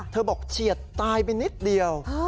บอกเฉียดตายไปนิดเดียว